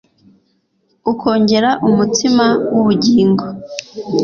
ukongera umutsima wubugingo